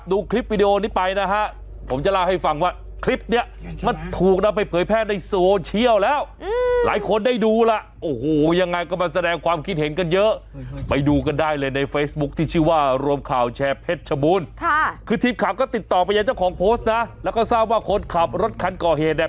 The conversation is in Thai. ติดต่อไปอย่างเจ้าของโพสต์นะแล้วก็เศร้าว่าคนขับรถคันก่อเหตุเนี่ย